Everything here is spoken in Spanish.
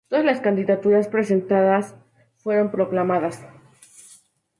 Todas las candidaturas presentadas fueron proclamadas.